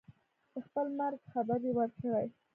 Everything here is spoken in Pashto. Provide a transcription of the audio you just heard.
د خپل مرګ خبر یې ورکړی.